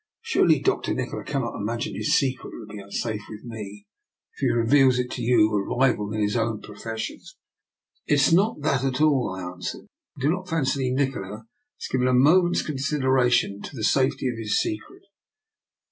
Surely Dr. Nikola cannot imagine his secret would be unsafe with me if he reveals it to you, a rival in his own profession? "" It is not that at all," I answered. " I do not fancy Nikola has given a moment's consideration to the safety of his SjCcret."